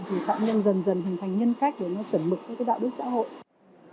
thì phạm nhân dần dần hình thành nhân cách để nó chuẩn mực với cái đạo đức xã hội